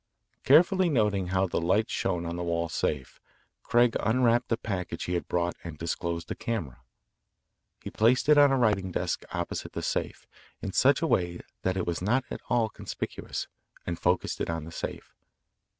Carefully noting how the light shone on the wall safe, Craig unwrapped the package he had brought and disclosed a camera. He placed it on a writing desk opposite the safe, in such a way that it was not at all conspicuous, and focused it on the safe.